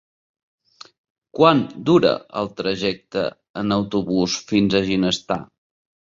Quant dura el trajecte en autobús fins a Ginestar?